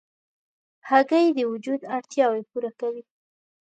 هګۍ د وجود اړتیاوې پوره کوي.